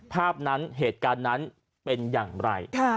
ภาพนั้นเหตุการณ์นั้นเป็นอย่างไร